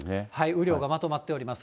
雨量がまとまっております。